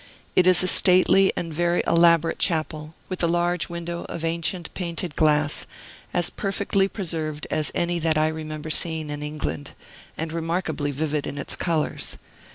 It is a stately and very elaborate chapel, with a large window of ancient painted glass, as perfectly preserved as any that I remember seeing in England, and remarkably vivid in its colors.